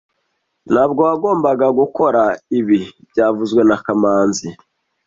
Ntabwo wagombaga gukora ibi byavuzwe na kamanzi